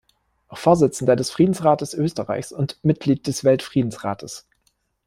Vorsitzender des Friedensrates Österreichs und Mitglied des Weltfriedensrates.